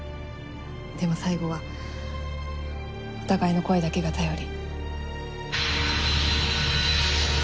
でも最後はお互いの声だけが頼り。